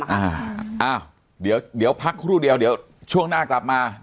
อ่าอ้าวเดี๋ยวเดี๋ยวพักครู่เดียวเดี๋ยวช่วงหน้ากลับมา